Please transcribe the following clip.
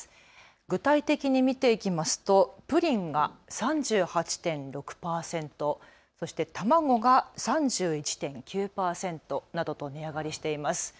具体的に見ていきますとプリンが３８．６％、そして卵が３１．９％などと値上がりしています。